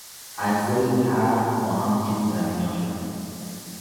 اجزای طرح با هم جور در میآیند.